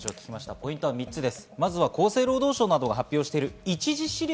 ポイントは３つです。